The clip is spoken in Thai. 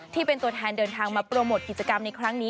ที่เป็นตัวแทนเดินทางมาโปรโมทกิจกรรมในครั้งนี้